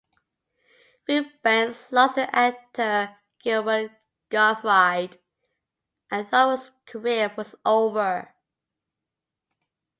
Reubens lost to actor Gilbert Gottfried and thought his career was over.